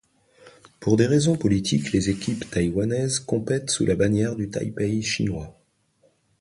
Pour des raisons politiques, les équipes taïwanaises compètent sous la bannière du Taipei chinois.